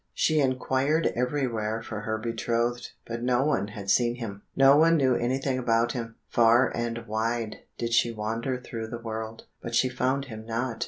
She inquired everywhere for her betrothed, but no one had seen him; no one knew anything about him. Far and wide did she wander through the world, but she found him not.